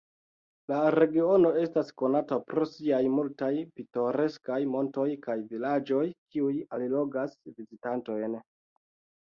La regiono estas konata pro siaj multaj pitoreskaj montoj kaj vilaĝoj, kiuj allogas vizitantojn.